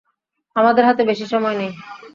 আমাদের হাতে বেশী সময় নেই।